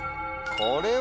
これは。